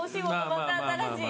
また新しい！